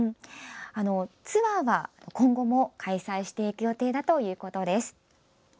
ツアーは今後も開催していく予定だということです。